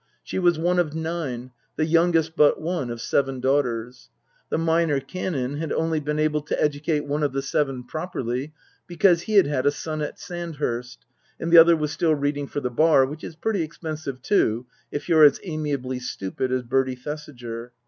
She was one of nine, the youngest but one of seven daughters. The Minor Canon had only been able to educate one of the seven properly, because he had had a son at Sandhurst, and the other was still reading for the Bar, which is pretty expensive too if you're as amiably stupid as Bertie Thesiger.